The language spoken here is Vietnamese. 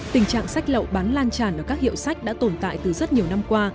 tình trạng sách lậu bán lan tràn ở các hiệu sách đã tồn tại từ rất nhiều năm qua